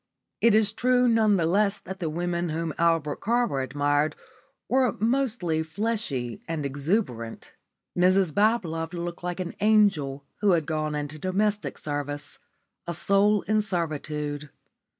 It is true none the less that the women whom Albert Carver admired were mostly fleshy and exuberant. Mrs Bablove looked like an angel who had gone into domestic service a soul in servitude.